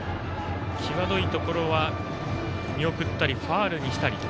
際どいところは見送ったりファウルにしたりと。